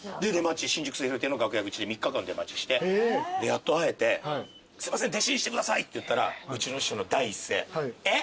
新宿末廣亭の楽屋口で３日間出待ちしてやっと会えて「すいません弟子にしてください」って言ったらうちの師匠の第一声。